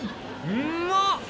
うまっ！